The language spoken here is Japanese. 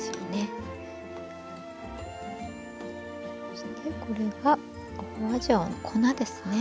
そしてこれが花椒の粉ですね。